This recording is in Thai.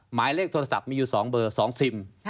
หมายเลขโทรศัพท์มีอยู่๒เบอร์๒ซิม